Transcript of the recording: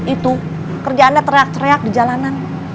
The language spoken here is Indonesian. itu kerjaannya teriak teriak di jalanan